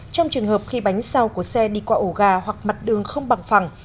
trong trường hợp khi bánh sau của xe đi qua ổ gà hoặc mặt đường không bằng phẳng